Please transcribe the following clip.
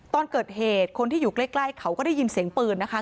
ตอนเกิดเหตุคนที่อยู่ใกล้เขาก็ได้ยินเสียงปืนนะคะ